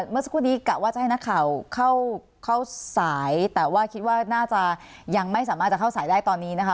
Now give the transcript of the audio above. เมื่อสักครู่นี้กะว่าจะให้นักข่าวเข้าสายแต่ว่าคิดว่าน่าจะยังไม่สามารถจะเข้าสายได้ตอนนี้นะคะ